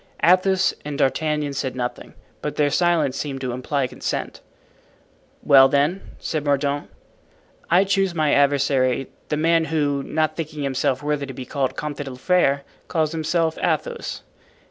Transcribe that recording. Athos and D'Artagnan said nothing, but their silence seemed to imply consent. "Well, then," said Mordaunt, "I choose for my adversary the man who, not thinking himself worthy to be called Comte de la Fere, calls himself Athos."